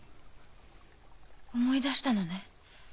思い出したのね？